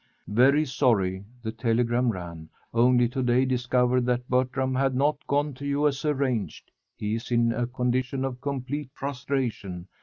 "Very sorry," the telegram ran, "only to day discovered that Bertram had not gone to you as arranged. He is in a condition of complete prostration.